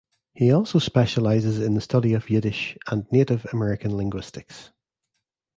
He also specializes in the study of Yiddish and Native American linguistics.